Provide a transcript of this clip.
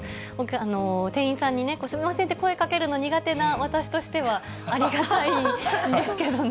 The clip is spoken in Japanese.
店員さんにね、すみませんって声かけるの苦手な私としては、ありがたいんですけどね。